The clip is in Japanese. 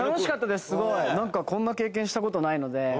すごいこんな経験したことないので。